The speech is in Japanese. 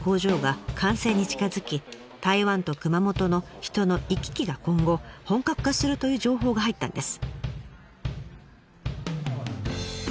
台湾と熊本の人の行き来が今後本格化するという情報が入ったんです。